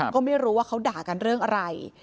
ก็ไม่รู้ว่าเขาด่ากันเรื่องอะไร